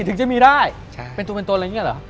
ถึงจะมีได้เป็นตัวเป็นตัวอะไรอย่างนี้เหรอ